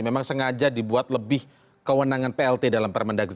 memang sengaja dibuat lebih kewenangan plt dalam permendagri